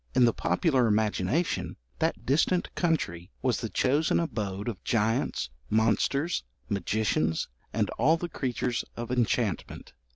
In the popular imagination, that distant country was the chosen abode of giants, monsters, magicians, and all the creatures of enchantment.